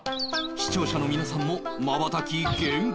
視聴者の皆さんもまばたき厳禁！